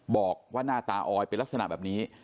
บอกว่าหน้าตาออยเป็นลักษณะแบบนี้